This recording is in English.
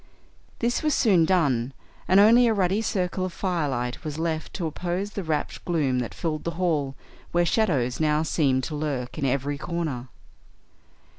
This was soon done, and only a ruddy circle of firelight was left to oppose the rapt gloom that filled the hall, where shadows now seemed to lurk in every corner.